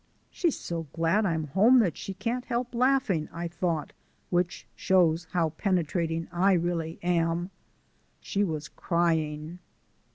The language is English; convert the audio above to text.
"She's so glad I'm home that she can't help laughing," I thought, which shows how penetrating I really am. She was crying.